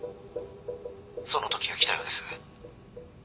その時が来たようです。